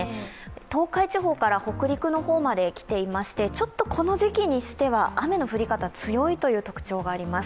東海地方から北陸の方まで来ていましてちょっとこの時期にしては雨の降り方、強いという特徴があります。